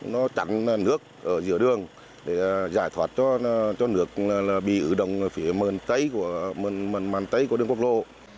nó chặn nước ở giữa đường để giải thoát cho nước bị ưu động phía mờn tấy của đường quốc lộ